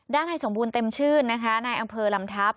ด้านในสมบูรณ์เต็มชื่นนะคะนายอำเภอลำทัพ